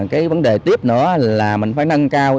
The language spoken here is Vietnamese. cái vấn đề tiếp nữa là mình phải nâng cao